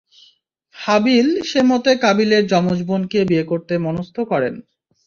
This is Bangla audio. হাবীল সে মতে কাবীলের যমজ বোনকে বিয়ে করতে মনস্থ করেন।